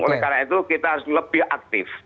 oleh karena itu kita harus lebih aktif